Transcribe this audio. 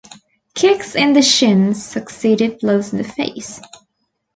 Kicks in the shins succeeded blows in the face.